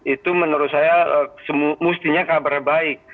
itu menurut saya semestinya kabar baik itu menurut saya semestinya kabar baik